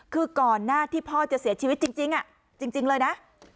คือก่อนหน้าที่พ่อจะเสียชีวิตจริงจริงเลยนะ